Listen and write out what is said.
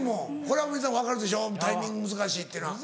これは水谷さん分かるでしょタイミング難しいっていうのは。